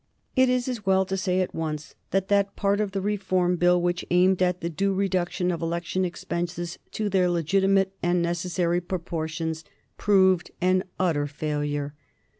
It is as well to say at once that that part of the Reform Bill which aimed at the due reduction of election expenses to their legitimate and necessary proportions proved an utter failure.